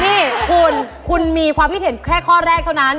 นี่คุณคุณมีความคิดเห็นแค่ข้อแรกเท่านั้น